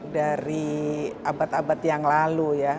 dari abad abad yang lalu ya